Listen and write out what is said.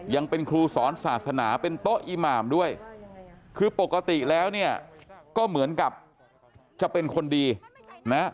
ยังเป็นครูสอนศาสนาเป็นโต๊ะอีหมามด้วยคือปกติแล้วเนี่ยก็เหมือนกับจะเป็นคนดีนะ